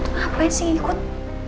ngapain sih ngikut